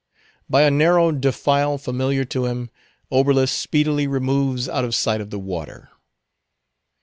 By a narrow defile familiar to him, Oberlus speedily removes out of sight of the water.